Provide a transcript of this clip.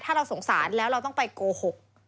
ถ้าเราสงสารแล้วเราต้องไปโกหก